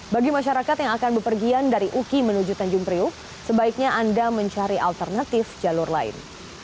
bagi masyarakat yang akan berpergian dari uki menuju tanjung priuk sebaiknya anda mencari alternatif jalur lain